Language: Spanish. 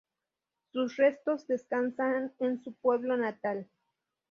Sus restos descansan en su pueblo natal.